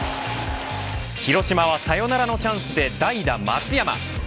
広島はサヨナラのチャンスで代打、松山。